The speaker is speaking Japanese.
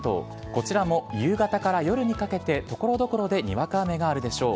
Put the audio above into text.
こちらも夕方から夜にかけて所々でにわか雨があるでしょう。